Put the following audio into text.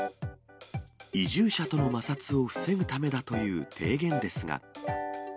移住者との摩擦を防ぐためだという提言ですが。